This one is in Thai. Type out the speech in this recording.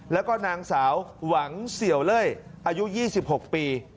แล้วก็นางสาวหวังเสี่ยวเล่ยอายุ๒๖ปี